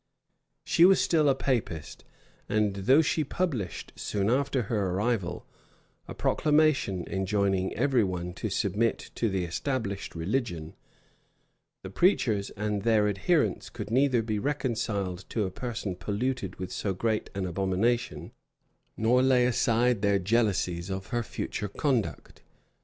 She was still a Papist, and though she published, soon after her arrival, a proclamation enjoining every one to submit to the established religion, the preachers and their adherents could neither be reconciled to a person polluted with so great an abomination, nor lay aside their jealousies of her future conduct.